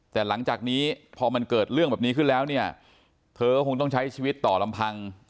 แต่หลังจากนี้พอมันเกิดเรื่องแบบนี้ขึ้นแล้วเนี่ยเธอก็คงต้องใช้ชีวิตต่อลำพัง